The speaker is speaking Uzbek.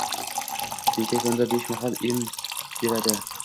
Beka kunda besh mahal em beradi